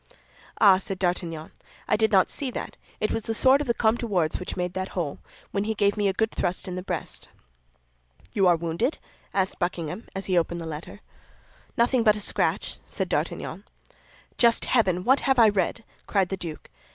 "Ah," said D'Artagnan, "I did not see that; it was the sword of the Comte de Wardes which made that hole, when he gave me a good thrust in the breast." "You are wounded?" asked Buckingham, as he opened the letter. "Oh, nothing but a scratch," said D'Artagnan. "Just heaven, what have I read?" cried the duke.